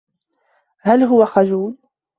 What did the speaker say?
هل هو خجول؟